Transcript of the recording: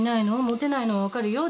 モテないのは分かるよ。